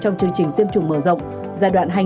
trong chương trình tiêm chủng mở rộng